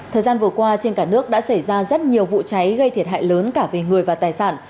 thời gian vừa qua trên cả nước đã xảy ra rất nhiều vụ cháy gây thiệt hại lớn cả về người và tài sản